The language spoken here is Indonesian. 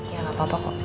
ya gak apa apa kok